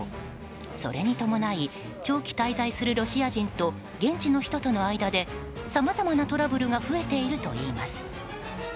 それに伴い長期滞在するロシア人と現地の人との間でさまざまなトラブルが増えているといいます。